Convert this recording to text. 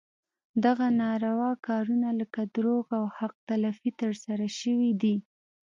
دغه ناروا کارونه لکه دروغ او حق تلفي ترسره شوي دي.